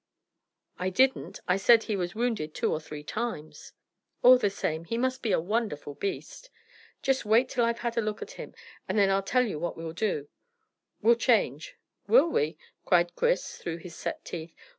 "I didn't. I said he was wounded two or three times." "All the same. He must be a wonderful beast. Just wait till I've had a look at him, and then I tell you what we'll do. We'll change." "Will we?" cried Chris, through his set teeth.